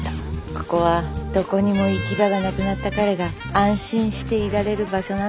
ここはどこにも行き場がなくなった彼が安心していられる場所なんです。